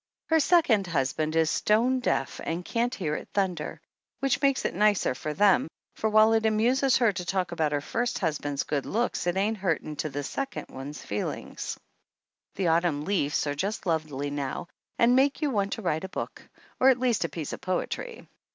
Her second husband is stone deaf and can't hear it thunder, which makes it nicer for them, for while it amuses her to talk about her first husband's good looks it ain't hurting to the second one's feelings. The autumn leaves are just lovely now and make you want to write a book, or at least a piece of poetry.